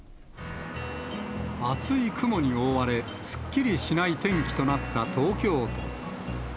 厚い雲に覆われ、すっきりしない天気となった東京都。